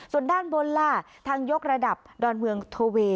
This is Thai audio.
ส่วนด้านบนล่ะทางยกระดับดอนเมืองโทเวย์